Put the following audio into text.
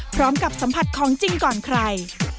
พร้อมกับสัมผัสของจริงก่อนใคร